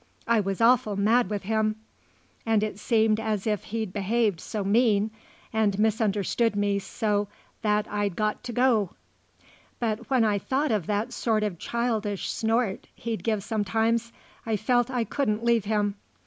I was awful mad with him and it seemed as if he'd behaved so mean and misunderstood me so that I'd got to go; but when I thought of that sort of childish snort he'd give sometimes, I felt I couldn't leave him.